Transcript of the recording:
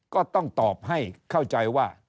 ก็ต้องตอบให้เข้าใจว่า